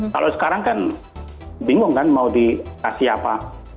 kalau sekarang kan bingung kan mau dikasih apa